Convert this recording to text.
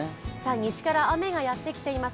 西から雨がやってきています。